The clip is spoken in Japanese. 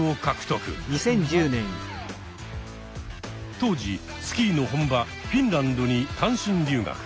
当時スキーの本場フィンランドに単身留学。